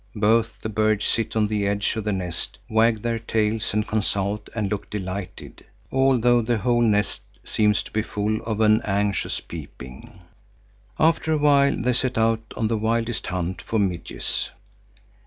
Both the birds sit on the edge of the nest, wag their tails and consult and look delighted, although the whole nest seems to be full of an anxious peeping. After a while they set out on the wildest hunt for midges.